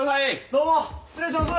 どうも失礼します。